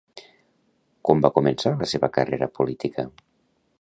Com va començar la seva carrera política?